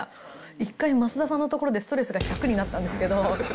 一回、増田さんのところで、ストレスが１００になったんですけど。